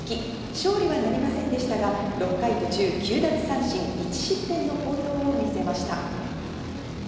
勝利はなりませんでしたが、６回途中、９奪三振１失点の好投を見せました。